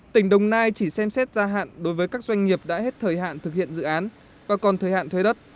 tỉnh đồng nai chỉ xem xét gia hạn đối với các doanh nghiệp đã hết thời hạn thực hiện dự án và còn thời hạn thuế đất